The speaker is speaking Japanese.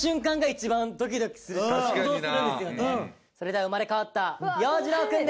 それでは生まれ変わった洋次郎くんです。